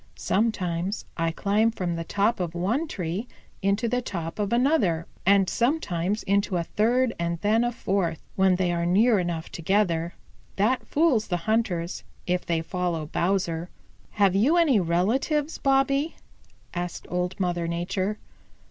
Sometimes I climb from the top of one tree into the top of another, and sometimes into a third and then a fourth, when they are near enough together. That fools the hunters, if they follow Bowser." "Have you any relatives, Bobby?" asked Old Mother Nature.